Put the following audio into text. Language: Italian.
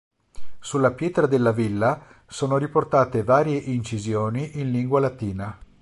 Sulla pietra della villa sono riportate varie incisioni in lingua latina.